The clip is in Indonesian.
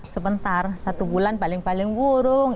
sebentar satu bulan paling paling burung